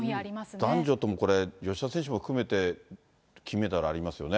男女ともこれ、芳田選手も含めて、金メダルありますよね。